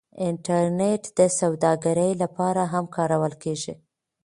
انټرنیټ د سوداګرۍ لپاره هم کارول کیږي.